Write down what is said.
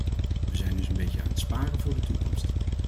We zijn dus een beetje aan het sparen voor de toekomst.